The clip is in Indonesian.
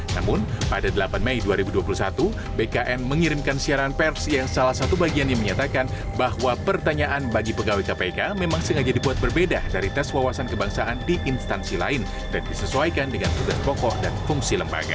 namun pada delapan mei dua ribu dua puluh satu bkn mengirimkan siaran pers yang salah satu bagian yang menyatakan bahwa pertanyaan bagi pegawai kpk memang sengaja dibuat berbeda dari tes wawasan kebangsaan di instansi lain dan disesuaikan dengan tugas pokok dan fungsi lembaga